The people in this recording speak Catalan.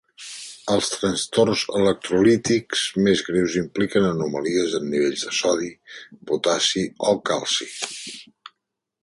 Els trastorns electrolítics més greus impliquen anomalies en els nivells de sodi, potassi o calci.